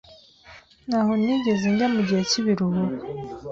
Ntaho nigeze njya mugihe cyibiruhuko.